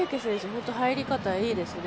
本当、入り方いいですね。